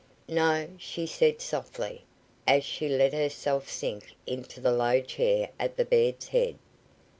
"No," she said softly, as she let herself sink into the low chair at the bed's head.